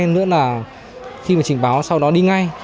nữa là khi mà trình báo sau đó đi ngay